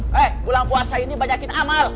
hai bulan puasa ini banyakin amal